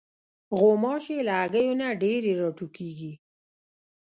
غوماشې له هګیو نه ډېرې راټوکېږي.